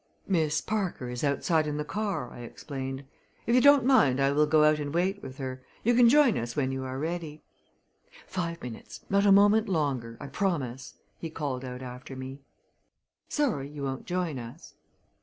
"Miss Parker is outside in the car," I explained. "If you don't mind I will go out and wait with her. You can join us when you are ready." "Five minutes not a moment longer, I promise!" he called out after me. "Sorry you won't join us."